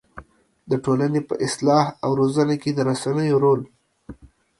د ټولنې په اصلاح او روزنه کې د رسنيو رول